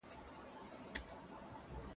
که زده کړه نه وي، ستونزې زیاتېږي.